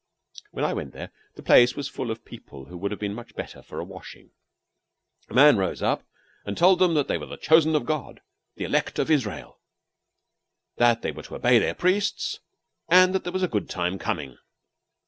When I went there, the place was full of people who would have been much better for a washing. A man rose up and told them that they were the chosen of God, the elect of Israel; that they were to obey their priests, and that there was a good time coming.